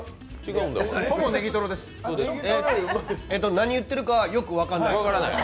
何言ってるか、よく分からないです。